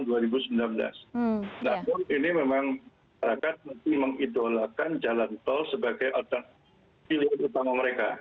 namun ini memang masyarakat masih mengidolakan jalan tol sebagai pilihan utama mereka